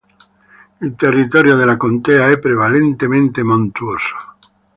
Il territorio della contea è prevalentemente montuoso.